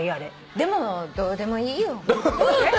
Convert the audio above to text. でもどうでもいいよ。